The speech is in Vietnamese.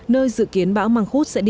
nơi dự kiến bão măng khuốt sẽ đi